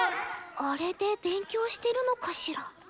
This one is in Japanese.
あれで勉強してるのかしら。